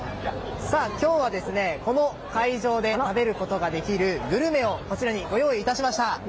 今日は、この会場で食べることができるグルメをご用意しました。